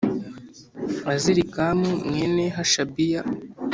Azirikamu mwene Hashabiya